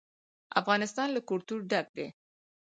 افغانستان له کلتور ډک دی.